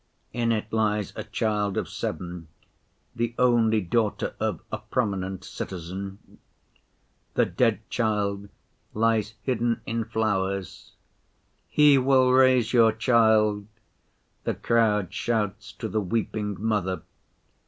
In it lies a child of seven, the only daughter of a prominent citizen. The dead child lies hidden in flowers. 'He will raise your child,' the crowd shouts to the weeping mother.